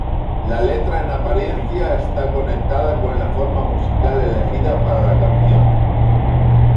La letra en apariencia está conectada con la forma musical elegida para la canción.